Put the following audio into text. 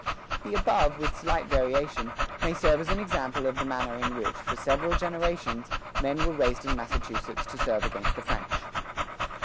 The above, with slight variation, may serve as an example of the manner in which, for several generations, men were raised in Massachusetts to serve against the French.